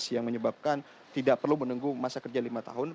yang menyebabkan tidak perlu menunggu masa kerja lima tahun